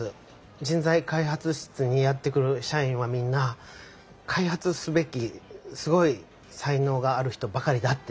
人材開発室にやって来る社員はみんな開発すべきすごい才能がある人ばかりだって。